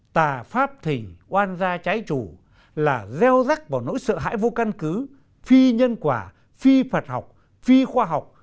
tà pháp thình oan gia trái chủ là gieo rắc vào nỗi sợ hãi vô căn cứ phi nhân quả phi phật học phi khoa học